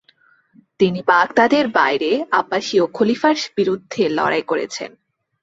তিনি বাগদাদের বাইরে আব্বাসীয় খলিফার বিরুদ্ধে লড়াই করেছেন।